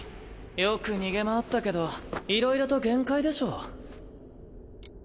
よく逃げ回ったけどいろいろと限界でしょ。